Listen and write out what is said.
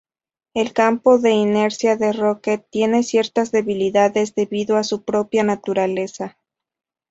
El campo de inercia de Rocket tiene ciertas debilidades debido a su propia naturaleza.